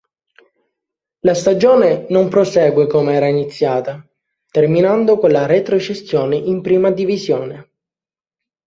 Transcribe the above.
La stagione non prosegue come era iniziata, terminando con la retrocessione in Prima Divisione.